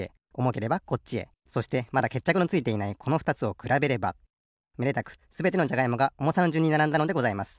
そしてまだけっちゃくのついていないこのふたつをくらべればめでたくすべてのじゃがいもがおもさのじゅんにならんだのでございます。